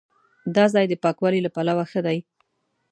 دا ځای د پاکوالي له پلوه ښه دی.